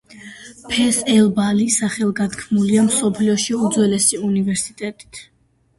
ფეს-ელ-ბალი სახელგანთქმულია მსოფლიოში უძველესი უნივერსიტეტით.